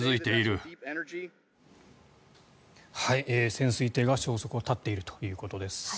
潜水艇が消息を絶っているということです。